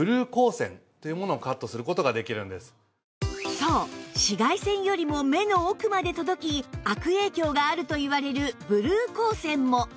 そう紫外線よりも目の奥まで届き悪影響があるといわれるブルー光線も